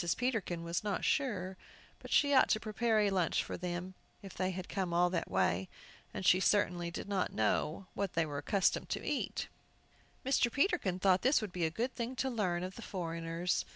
Peterkin was not sure but she ought to prepare a lunch for them, if they had come all that way; but she certainly did not know what they were accustomed to eat. Mr. Peterkin thought this would be a good thing to learn of the foreigners.